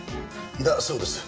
だそうです。